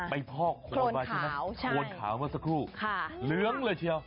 นี่ไปพอกมาโคนขาวใช่ไหมครับโคนขาวมาสักครู่เลืองเหรอเชียว